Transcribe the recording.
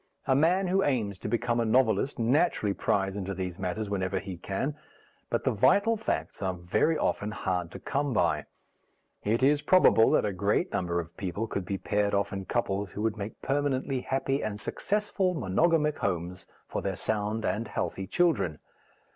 A man who aims to become a novelist naturally pries into these matters whenever he can, but the vital facts are very often hard to come by. It is probable that a great number of people could be paired off in couples who would make permanently happy and successful monogamic homes for their sound and healthy children.